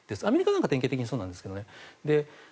アメリカなんか典型的にそうなんですけどね。